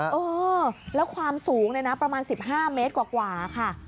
เออแล้วความสูงเนี่ยนะประมาณ๑๕เมตรกว่าค่ะ